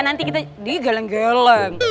nanti kita digeleng geleng